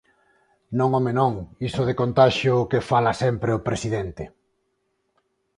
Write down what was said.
Non, home, non, iso de contaxio, que fala sempre o presidente.